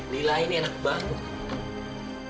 lila ini enak banget